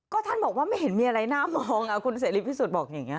ก็ท่านบอกว่าไม่เห็นมีอะไรน่ามองคุณเสรีพิสุทธิ์บอกอย่างนี้